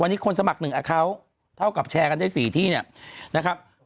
วันนี้คนสมัคร๑อาเคาน์เท่ากับแชร์กันได้๔ที่เนี่ยนะครับ